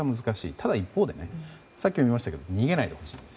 ただ一方でさっきも言いましたが逃げないでほしい。